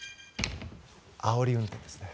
あおり運転ですね。